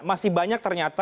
masih banyak ternyata